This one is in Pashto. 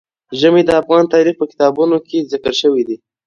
ژمی د افغان تاریخ په کتابونو کې ذکر شوی دي.